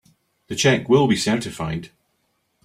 The check will be certified.